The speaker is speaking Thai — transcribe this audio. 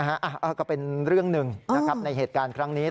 ก็เป็นเรื่องหนึ่งนะครับในเหตุการณ์ครั้งนี้